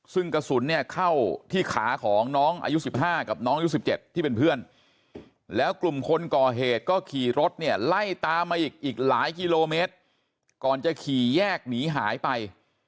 ซึ่งกระสุนเนี่ยเข้าที่ขาของน้องอายุ๑๕กับน้องอายุ๑๗ที่เป็นเพื่อนแล้วกลุ่มคนก่อเหตุก็ขี่รถเนี่ยไล่ตามมาอีกหลายกิโลเมตรก่อนจะขี่แยกหนีหายไป